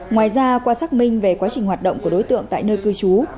ngoài ra qua xác minh về quá trình hoạt động của đối tượng tại nơi cư trú